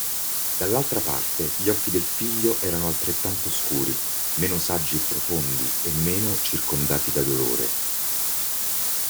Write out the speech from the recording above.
Dall'altra parte, gli occhi del figlio erano altrettanto scuri, meno saggi e profondi, e meno circondati da dolore.